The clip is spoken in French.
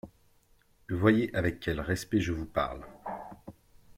Voyez avec quel respect je vous parle.